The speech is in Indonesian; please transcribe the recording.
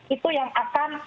itu yang akan terjadi